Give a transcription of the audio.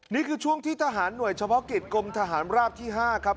นี่คือช่วงที่ทหารหน่วยเฉพาะกิจกรมทหารราบที่๕ครับ